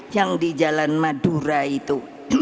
yang di jalan madura itu